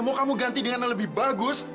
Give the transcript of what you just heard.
mau kamu ganti dengan yang lebih bagus